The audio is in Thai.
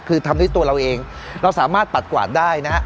คือทำให้ได้ตัวเราเองเราสำหรับปัดกว่านได้นะครับ